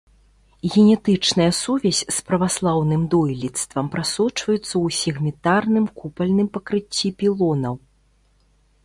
Генетычная сувязь з праваслаўным дойлідствам прасочваецца ў сегментарным купальным пакрыцці пілонаў.